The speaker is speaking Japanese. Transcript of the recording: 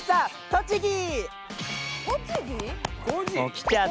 「栃木？」